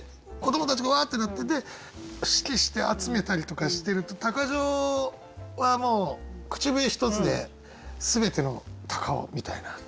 子どもたちがわってなってて指揮して集めたりとかしてると鷹匠はもう口笛一つで全ての鷹をみたいな。